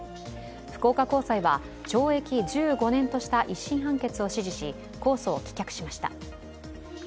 福岡高裁は懲役１５年とした１審判決を指示し、控訴を棄却しました。